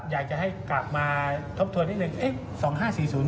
อยากจะให้กลับมาทบทวนนิดหนึ่ง